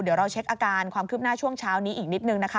เดี๋ยวเราเช็คอาการความคืบหน้าช่วงเช้านี้อีกนิดนึงนะคะ